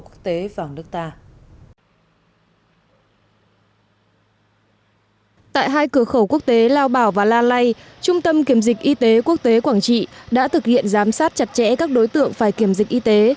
tại cửa khẩu quốc tế lao bảo và la lây trung tâm kiểm dịch y tế quốc tế quảng trị đã thực hiện giám sát chặt chẽ các đối tượng phải kiểm dịch y tế